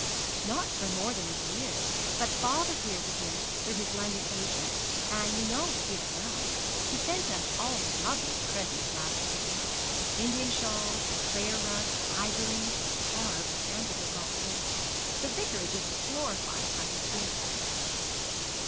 'Not for more than a year, but father hears of him through his London agent, and we know he is well. He sent us all lovely presents last Christmas Indian shawls, prayer rugs, ivories, carved sandalwood boxes. The Vicarage is glorified by his gifts.'